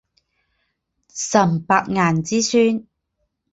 岑伯颜之孙。